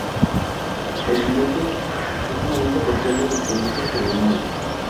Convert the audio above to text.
La siguiente es una lista parcial de sus proyectos terminados